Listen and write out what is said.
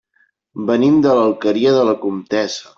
Venim de l'Alqueria de la Comtessa.